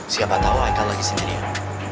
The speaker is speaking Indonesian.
siapa tau haikal lagi sendirian